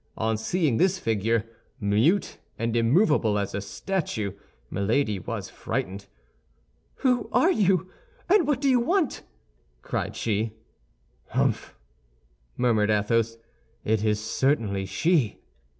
On seeing this figure, mute and immovable as a statue, Milady was frightened. "Who are you, and what do you want?" cried she. "Humph," murmured Athos, "it is certainly she!"